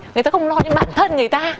người ta không lo đến bản thân người ta